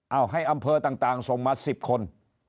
เอาให้อำเภอต่างส่งมา๑๐คน